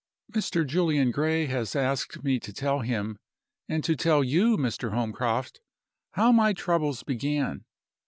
"MR. JULIAN GRAY has asked me to tell him, and to tell you, Mr. Holmcroft, how my troubles began.